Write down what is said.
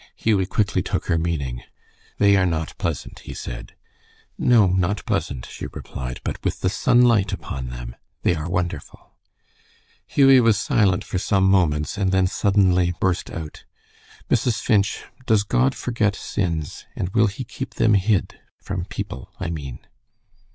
Hughie quickly took her meaning. "They are not pleasant," he said. "No, not pleasant," she replied, "but with the sunlight upon them they are wonderful." Hughie was silent for some moments, and then suddenly burst out, "Mrs. Finch, does God forget sins, and will he keep them hid, from people, I mean?"